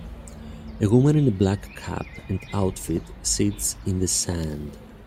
A woman in a black cap and outfit sits in the sand.